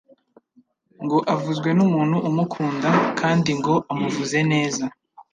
ngo avuzwe n’umuntu umukunda, kandi ngo amuvuze neza